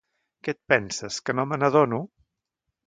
Què et penses, que no me n'adono?